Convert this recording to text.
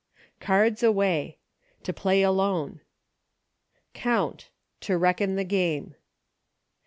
Cards Away. To Play Alone. Count. To reckon the game.